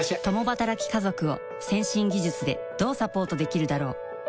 共働き家族を先進技術でどうサポートできるだろう？